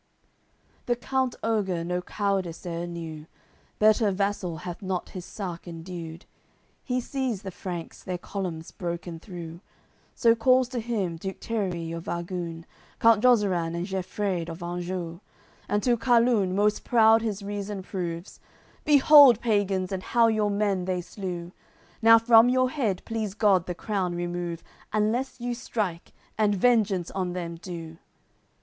CCLVI The count Oger no cowardice e'er knew, Better vassal hath not his sark indued. He sees the Franks, their columns broken through, So calls to him Duke Tierris, of Argune, Count Jozeran, and Gefreid, of Anjou; And to Carlun most proud his reason proves: "Behold pagans, and how your men they slew! Now from your head please God the crown remove Unless you strike, and vengeance on them do!"